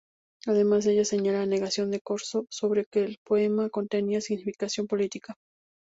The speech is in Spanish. Además ella señala la negación de Corso sobre que el poema contenía significación política.